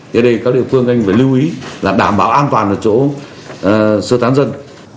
thì ở đây các địa phương nên phải lưu ý là đảm bảo an toàn ở chỗ sơ tán dân